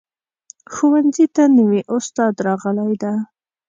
ښوونځي ته نوي استاد راغلی ده